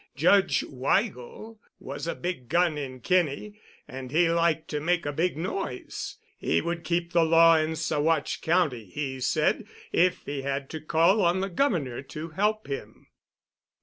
Judge Weigel was a big gun in Kinney, and he liked to make a big noise. He would keep the law in Saguache County, he said, if he had to call on the Governor to help him.